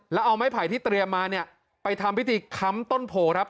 แล้วเอาไม้ไผ่ที่เตรียมมาเนี่ยไปทำพิธีค้ำต้นโพครับ